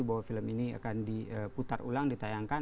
bahwa film ini akan diputar ulang ditayangkan